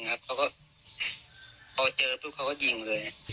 เขาก็เขาเจอทุกคนก็ยิงเลย